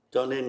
cho nên là đúng